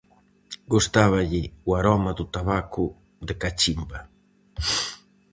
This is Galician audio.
Gustáballe o aroma do tabaco de cachimba.